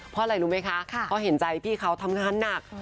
เพราะอะไรรู้ไหมคะเพราะเห็นใจพี่เขาทำงานหนัก